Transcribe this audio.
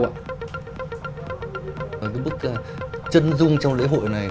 cái bức chân rung trong lễ hội này